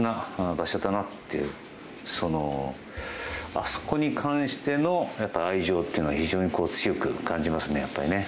あそこに関しての愛情っていうのを非常に強く感じますね。